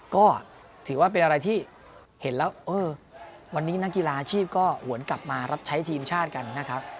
ก็ถือว่าเป็นอะไรที่เห็นแล้วเออวันนี้นักกีฬาอาชีพก็หวนกลับมารับใช้ทีมชาติกันนะครับ